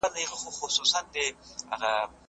فرش لوند مه پرېږدئ.